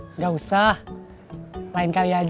tidak usah lain kali aja